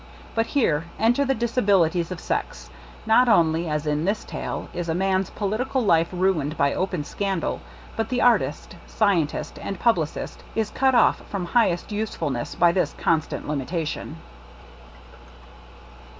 But here enter the disabilities of sex. Not only, as in this tale, is a mans' political life ruined by open scandal, but the artist, scientist, and publicist is cut off from highest use fulness by this constant limitation.